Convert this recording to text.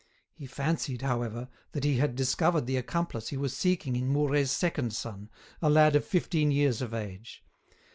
He fancied, however, that he had discovered the accomplice he was seeking in Mouret's second son, a lad of fifteen years of age.